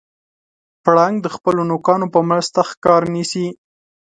پړانګ د خپلو نوکانو په مرسته ښکار نیسي.